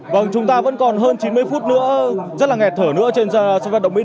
vâng chúng ta vẫn còn hơn chín mươi phút nữa rất là nghẹt thở nữa trên sân vận động mỹ